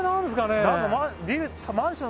えっマンション？